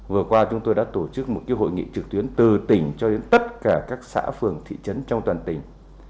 vừa qua chúng tôi đã tổ chức một hội nghị trực tuyến từ tỉnh cho đến tất cả các xã phường thị trấn trong toàn tỉnh